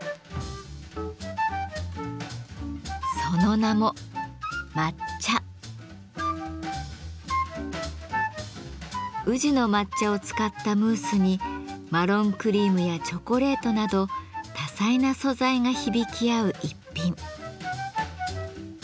その名も宇治の抹茶を使ったムースにマロンクリームやチョコレートなど多彩な素材が響き合う逸品。